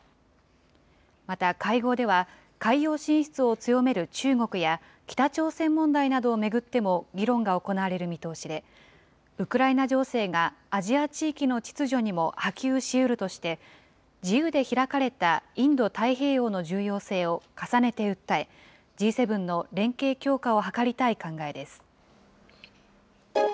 また会合では、海洋進出を強める中国や、北朝鮮問題などを巡っても、議論が行われる見通しで、ウクライナ情勢がアジア地域の秩序にも波及しうるとして、自由で開かれたインド太平洋の重要性を重ねて訴え、Ｇ７の連携強化を図りたい考えです。